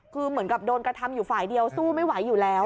คือเหมือนกับโดนกระทำอยู่ฝ่ายเดียวสู้ไม่ไหวอยู่แล้ว